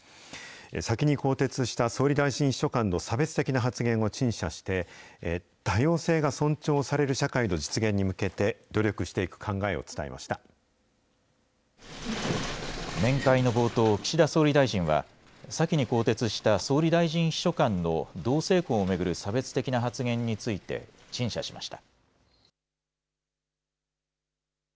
先に更迭した総理大臣秘書官の差別的な発言を陳謝して、多様性が尊重される社会の実現に向けて、面会の冒頭、岸田総理大臣は、先に更迭した総理大臣秘書官の同性婚を巡る差別的発言について陳謝しました。